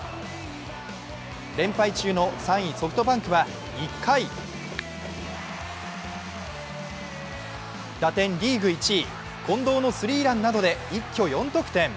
連敗中の３位ソフトバンクは１回、打点リーグ１位、近藤のスリーランなどで一挙４得点。